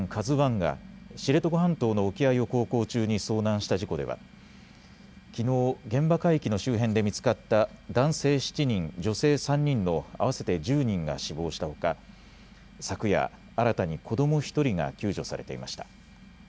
ＫＡＺＵＩが知床半島の沖合を航行中に遭難した事故ではきのう現場海域の周辺で見つかった男性７人女性３人の合わせて１０人が死亡したほか、昨夜、新たに子ども１人が救助されていました。